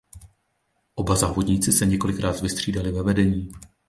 Oba závodníci se několikrát vystřídali ve vedení.